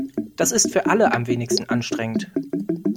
Das ist für alle am wenigsten anstrengend.